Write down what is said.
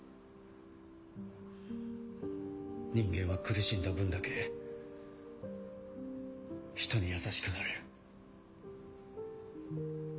人間は苦しんだ分だけひとに優しくなれる。